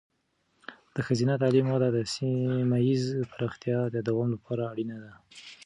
د ښځینه تعلیم وده د سیمه ایزې پرمختیا د دوام لپاره اړینه ده.